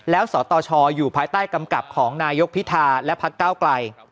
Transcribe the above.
แล้วสตชอยู่ภายใต้กำกับของนายกพิธาและพักเก้าไกล